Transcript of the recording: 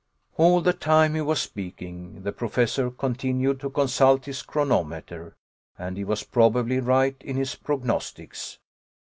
All the time he was speaking the Professor continued to consult his chronometer, and he was probably right in his prognostics.